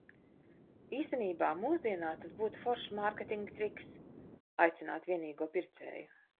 Īstenībā, mūsdienās tas būtu foršs mārketinga triks - aicināt vienīgo pircēju.